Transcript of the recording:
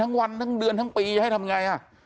ทั้งวันทั้งเดือนทั้งปีให้ทำไง